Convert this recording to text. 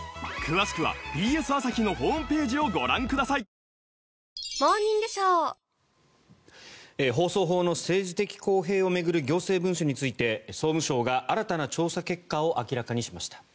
三菱電機放送法の政治的公平を巡る行政文書について総務省が新たな調査結果を明らかにしました。